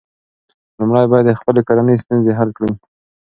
لومړی باید د خپلې کورنۍ ستونزې حل کړې.